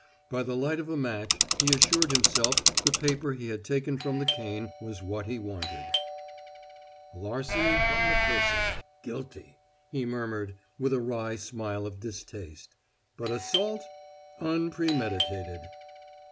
By the light of a match he assured himself the paper he had taken from the cane was what he wanted. "Larceny from the person guilty," he murmured, with a wry smile of distaste. "But assault unpremeditated."